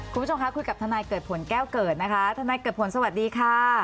คุณผู้ชมคะคุยกับทนายเกิดผลแก้วเกิดนะคะทนายเกิดผลสวัสดีค่ะ